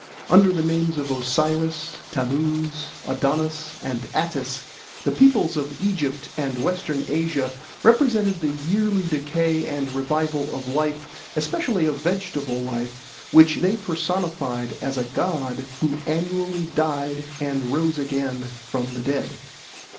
Under the names of Osiris, Tammuz, Adonis, and Attis, the peoples of Egypt and Western Asia represented the yearly decay and revival of life, especially of vegetable life, which they personified as a god who annually died and rose again from the dead.